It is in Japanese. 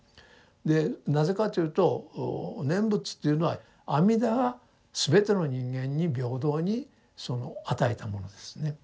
でなぜかというと念仏というのは阿弥陀が全ての人間に平等にその与えたものですね。